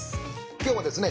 今日はですね